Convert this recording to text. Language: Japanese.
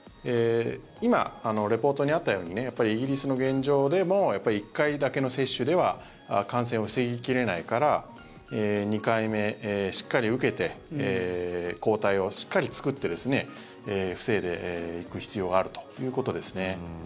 今、リポートにあったようにイギリスの現状でも１回だけの接種では感染を防ぎ切れないから２回目、しっかり受けて抗体をしっかり作って防いでいく必要があるということですね。